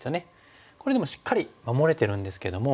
これでもしっかり守れてるんですけども。